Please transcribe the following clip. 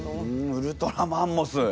ウルトラマンモス。